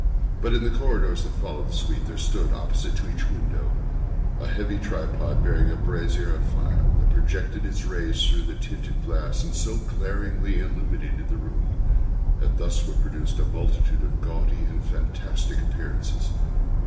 But in the corridors that followed the suite, there stood, opposite to each window, a heavy tripod, bearing a brazier of fire that projected its rays through the tinted glass and so glaringly illumined the room. And thus were produced a multitude of gaudy and fantastic appearances.